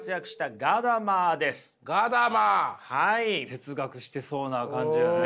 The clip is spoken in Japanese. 哲学してそうな感じやね。